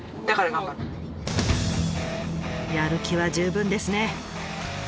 やる気は十分ですね。